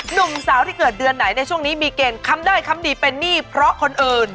หนุ่มสาวที่เกิดเดือนไหนในช่วงนี้มีเกณฑ์คำได้คำดีเป็นหนี้เพราะคนอื่น